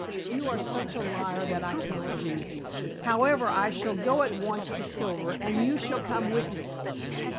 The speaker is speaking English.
"You are such a liar that I can't believe you. However, I shall go at once to Silver and you shall come with me."